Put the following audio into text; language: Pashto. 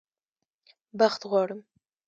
بخت غواړم